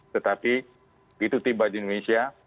tetapi begitu tiba di indonesia